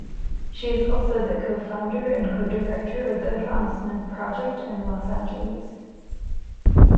She is also the co-founder and co-director of the Advancement Project in Los Angeles.